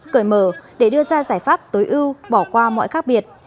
cởi mở để đưa ra giải pháp tối ưu bỏ qua mọi khác biệt